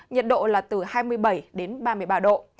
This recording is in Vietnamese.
nhiệt độ là từ hai mươi bảy đến ba mươi ba độ